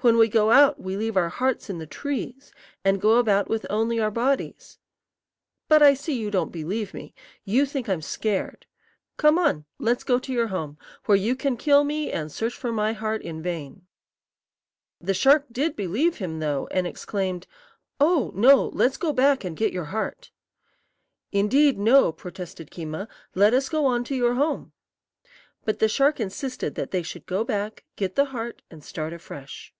When we go out we leave our hearts in the trees, and go about with only our bodies. But I see you don't believe me. You think I'm scared. Come on; let's go to your home, where you can kill me and search for my heart in vain." The shark did believe him, though, and exclaimed, "Oh, no; let's go back and get your heart." "Indeed, no," protested Keema; "let us go on to your home." But the shark insisted that they should go back, get the heart, and start afresh.